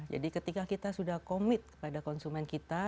jadi ketika kita sudah commit pada konsumen kita